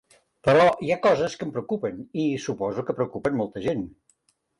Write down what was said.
Però hi ha coses que em preocupen, i suposo que preocupen molta gent.